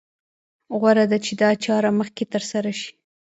غوره ده چې دا چاره مخکې تر سره شي.